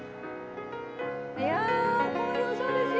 いやこの表情ですよ